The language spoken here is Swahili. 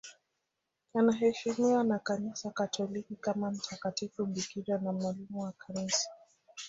Anaheshimiwa na Kanisa Katoliki kama mtakatifu bikira na mwalimu wa Kanisa.